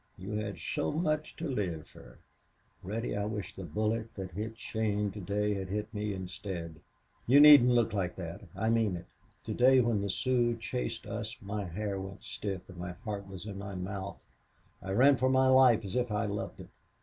You had so much to live fer." "Reddy, I wish the bullet that hit Shane to day had hit me instead.... You needn't look like that. I mean it. To day when the Sioux chased us my hair went stiff and my heart was in my mouth. I ran for my life as if I loved it.